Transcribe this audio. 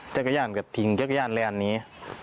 จั๊กย่านกระทิงจั๊กย่านแรนนี้